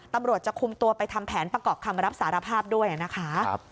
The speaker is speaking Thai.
ตำรวจจะคุมตัวไปทำแผนประกอบคำรับสารภาพด้วยนะคะ